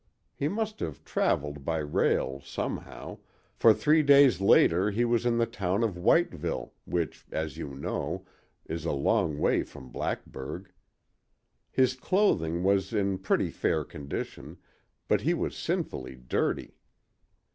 He must have traveled by rail, somehow, for three days later he was in the town of Whiteville, which, as you know, is a long way from Blackburg. His clothing was in pretty fair condition, but he was sinfully dirty.